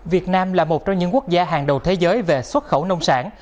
việt nam là một trong những quốc gia hàng đầu thế giới về xuất khẩu nông sản